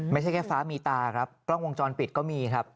ไม่ใช่แค่ฟ้ามีตาครับกล้องวงจรปิดก็มีครับ